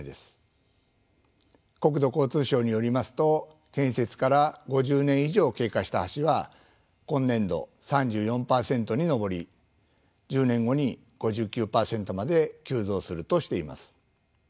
国土交通省によりますと建設から５０年以上経過した橋は今年度３４％に上り１０年後に５９％まで急増するとしています。